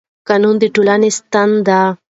قانون د ټولنې ستن ده